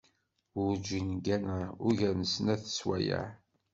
Werǧin gganeɣ ugar n snat n sswayeε.